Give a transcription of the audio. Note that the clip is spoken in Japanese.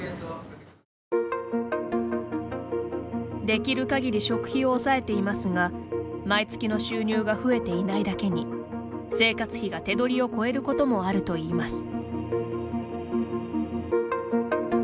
できる限り食費を抑えていますが毎月の収入が増えていないだけに生活費が手取りを超えることもあるといいます。